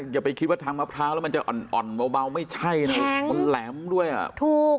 อย่าไปคิดว่าทางมะพร้าวแล้วมันจะอ่อนอ่อนเบาไม่ใช่นะมันแหลมด้วยอ่ะถูก